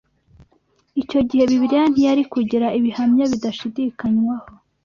icyo gihe Bibiliya ntiyari kugira ibihamya bidashidikanywaho